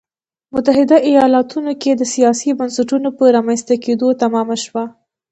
متحده ایالتونو کې د سیاسي بنسټونو په رامنځته کېدو تمامه شوه.